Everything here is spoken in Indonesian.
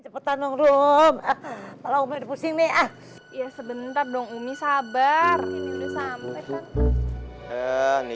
cepetan dong rom kalau udah pusing nih ah ya sebentar dong umi sabar sampai